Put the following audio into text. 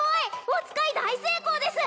お使い大成功です！